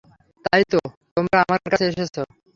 তাই তো তোমরা আমার কাছে এসেছ।